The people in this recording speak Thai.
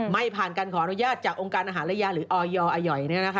ไม่ผ่านการขออนุญาตจากองค์การอาหารระยาหรือออยอย